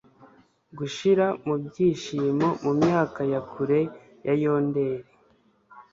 gushira mubyishimo mumyaka ya kure ya yonder